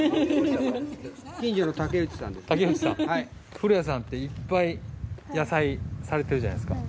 古谷さんっていっぱい野菜されてるじゃないですか。